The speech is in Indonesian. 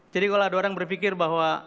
jadi kalau ada orang berpikir bahwa